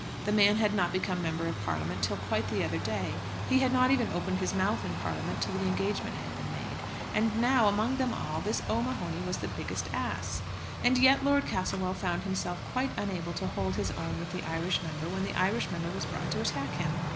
The man had not become Member of Parliament till quite the other day. He had not even opened his mouth in Parliament till the engagement had been made. And now, among them all, this O'Mahony was the biggest ass. And yet Lord Castlewell found himself quite unable to hold his own with the Irish member when the Irish member was brought to attack him.